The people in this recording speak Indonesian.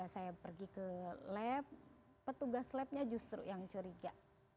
saya pergi ke lab petugas labnya justru yang curiga